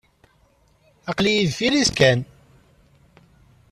Aql-iyi deffir-s kan.